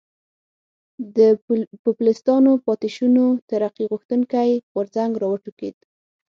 د پوپلستانو پاتې شونو ترقي غوښتونکی غورځنګ را وټوکېد.